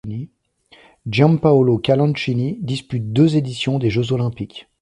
Giampaolo Calanchini dispute deux éditions des Jeux olympiques.